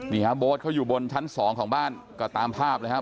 นี่ค่ะโบดเขาอยู่บนชั้น๒ของบ้านก็ตามภาพเลยครับ